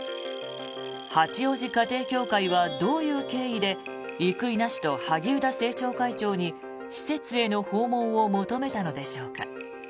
八王子家庭教会はどういう経緯で生稲氏と萩生田政調会長に施設への訪問を求めたのでしょうか。